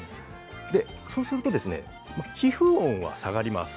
そうすると皮膚温は下がります。